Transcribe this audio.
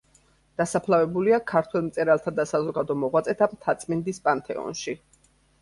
დასაფლავებულია ქართველ მწერალთა და საზოგადო მოღვაწეთა მთაწმინდის პანთეონში.